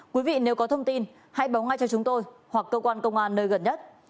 quý vị nếu có thông tin hãy báo ngay cho chúng tôi hoặc cơ quan công an nơi gần nhất